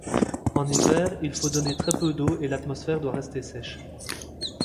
En hiver, il faut donner très peu d'eau et l'atmosphère doit rester sèche.